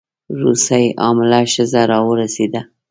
روسۍ حامله ښځه راورسېده.